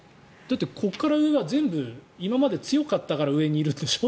ここから上は全部今まで強かったから上にいるんでしょ。